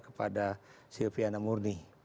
kepada silviana murni